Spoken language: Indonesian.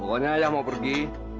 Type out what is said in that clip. pokoknya ayah mau pergi